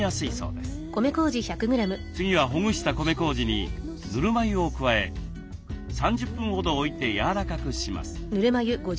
次はほぐした米こうじにぬるま湯を加え３０分ほど置いてやわらかくします。